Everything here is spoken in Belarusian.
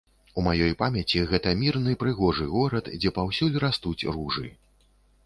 У маёй памяці гэта мірны, прыгожы горад, дзе паўсюль растуць ружы.